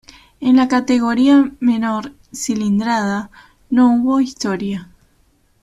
En la categoría menor cilindrada, no hubo historia.